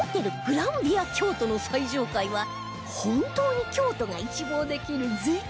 グランヴィア京都の最上階は本当に京都が一望できる絶景